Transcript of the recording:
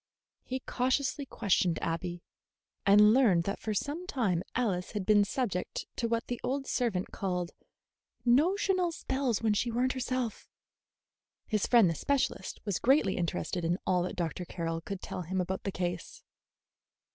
He cautiously questioned Abby, and learned that for some time Alice had been subject to what the old servant called "notional spells when she were n't herself." His friend the specialist was greatly interested in all that Dr. Carroll could tell him about the case.